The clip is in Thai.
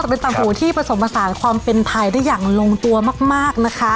เป็นต่างหูที่ผสมผสานความเป็นไทยได้อย่างลงตัวมากนะคะ